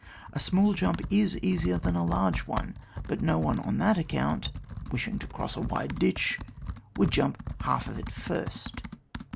A small jump is easier than a large one, but no one on that account, willing to cross a wide ditch, would jump half of it first.